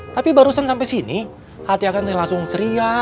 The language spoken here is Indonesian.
tapi barusan sampe sini hati hati langsung seria